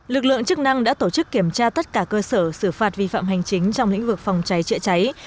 lực lượng chức năng đã tổ chức kiểm tra tất cả cơ sở xử phạt vi phạm hành chính trong lĩnh vực phòng cháy chữa cháy